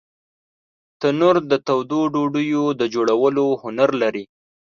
تنور د تودو ډوډیو د جوړولو هنر لري